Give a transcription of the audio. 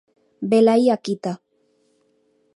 Velaí a quita.